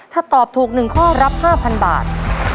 ถ้าตอบถูกหนึ่งข้อรับห้าพันบาท